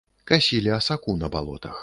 Касілі асаку на балотах.